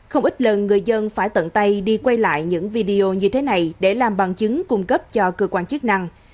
không ít lần người dân phải tận tay đi quay lại những video như thế này để làm bằng chứng cung cấp cho cơ quan chức năng